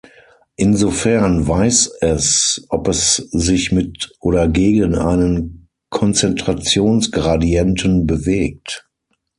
Insofern „weiss“ es, ob es sich mit oder gegen einen Konzentrationsgradienten bewegt.